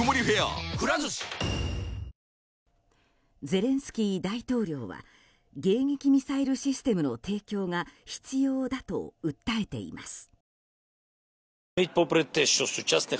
ゼレンスキー大統領は迎撃ミサイルシステムの提供が必要だと訴えています。